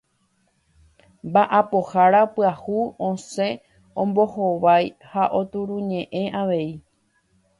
Mba'apohára pyahu osẽ ombohovái ha oturuñe'ẽ avei.